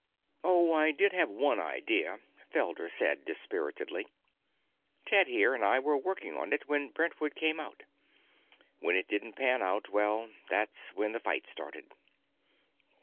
"Oh, I did have one idea," Felder said dispiritedly. "Ted, here, and I were working on it when Brentwood came out. When it didn't pan out, well, that's when the fight started."